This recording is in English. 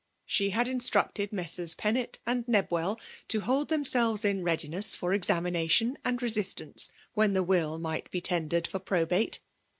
She had instructed Messrs. Pennetl Ulid Nebwell to hold themselves in readiness tot examitiation and resistance^ when the witt might be tendered for probate.